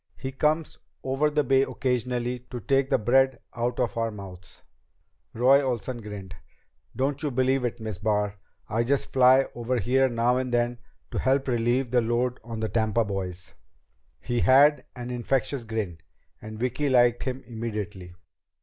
He comes over the Bay occasionally to take the bread out of our mouths." Roy Olsen grinned. "Don't you believe it, Miss Barr. I just fly over here now and then to help relieve the load on the Tampa boys." He had an infectious grin, and Vicki liked him immediately.